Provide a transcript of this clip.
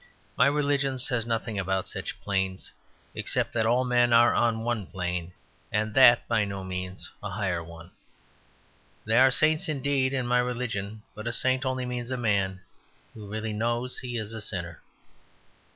My religion says nothing about such planes except that all men are on one plane and that by no means a high one. There are saints indeed in my religion: but a saint only means a man who really knows he is a sinner.